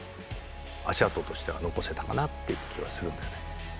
足跡としては残せたかなっていう気はするんだよね。